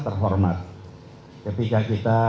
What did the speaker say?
terhormat ketika kita